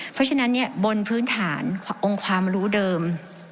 เพราะฉะนั้นบนพื้นฐานองค์ความรู้เดิม